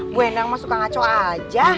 bu hendang masuk kangaco aja